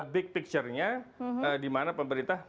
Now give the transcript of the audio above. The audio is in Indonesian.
big picture nya di mana pemerintah